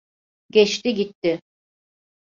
Geçti gitti.